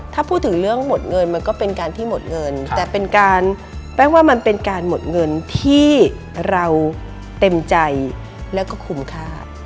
ถ้าพูดถึงเรื่องหมดเงินมันก็เป็นการที่หมดเงินแต่เป็นการแป้งว่ามันเป็นการหมดเงินที่เราเต็มใจแล้วก็คุ้มค่า